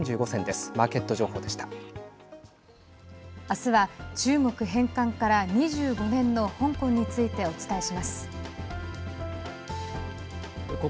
あすは中国返還から２５年の香港についてお伝えします。